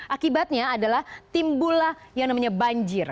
akibatnya adalah timbulah yang namanya banjir